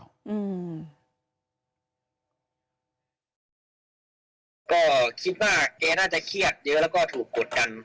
ก็คิดว่าแกน่าจะเม็ดเยอะกันแล้วถูกกดกัน